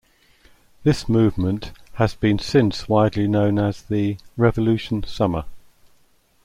This movement has been since widely known as the "Revolution Summer".